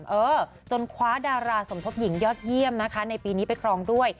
เออจนคว้าดาราสมทบหญิงยอดเยี่ยมนะคะในปีนี้ไปครองด้วย